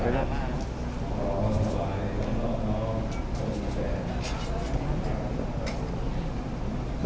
ครับ